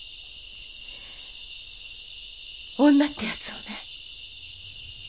女ってやつをね。